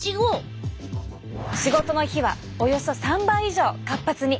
仕事の日はおよそ３倍以上活発に！